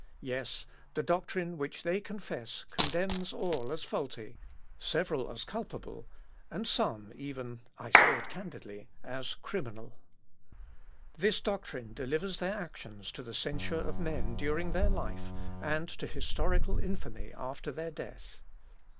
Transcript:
Yes, the doctrine which they confess condemns all as faulty, several as culpable, and some even (I say it candidly) as criminal.... This doctrine delivers their actions to the censure of men during their life, and to historical infamy after their death.